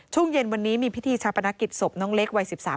ช่วงเย็นวันนี้มีพิธีชาปนกิจศพน้องเล็กวัย๑๓